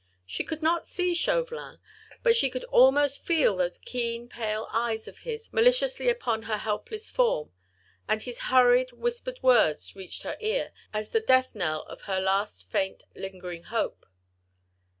She could not see Chauvelin, but she could almost feel those keen, pale eyes of his fixed maliciously upon her helpless form, and his hurried, whispered words reached her ear, as the death knell of her last faint, lingering hope.